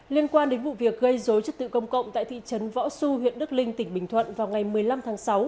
liên quan đến vụ việc gây dối trật tự công cộng tại thị trấn võ xu huyện đức linh tỉnh bình thuận vào ngày một mươi năm tháng sáu